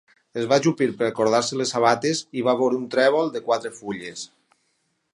Es va ajupir per cordar-se les sabates i va veure un trèvol de quatre fulles.